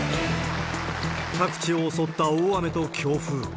各地を襲った大雨と強風。